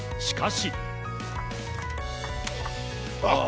しかし。